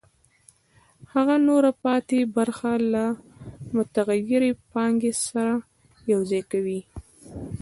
هغه نوره پاتې برخه له متغیرې پانګې سره یوځای کوي